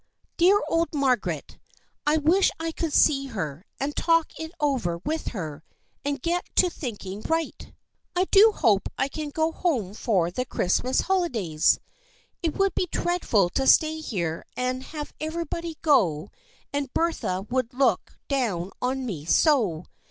Dear old Margaret ! I wish I could see her, and talk it over with her, and get to thinking right ! I do hope I can go home for the Christmas holidays ! It would be dreadful to stay here and have everybody go, and Bertha would look down on me so.